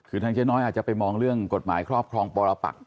คือท่านเจ้าน้อยก็จะไปมองเรื่องกฏหมายครอบครองประปักษณ์